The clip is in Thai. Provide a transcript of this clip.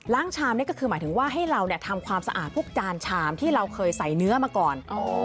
ชามนี่ก็คือหมายถึงว่าให้เราทำความสะอาดพวกจานชามที่เราเคยใส่เนื้อมาก่อน